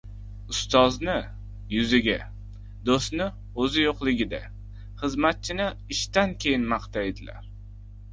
• Ustozni — yuziga, do‘stni — o‘zi yo‘qligida, xizmatchini ishdan keyin maqtaydilar.